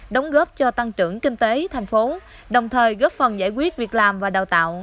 đóng góp cho tăng trưởng kinh tế thành phố đồng thời góp phần giải quyết việc làm và đào tạo